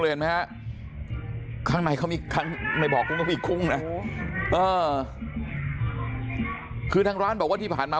เลยนะครั้งในบ่อกุ้งมีกุ้งนะคือทั้งร้านบอกว่าที่ผ่านมา